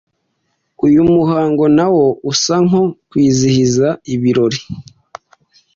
Uyu muhango nawo usa nko kwizihiza ibirori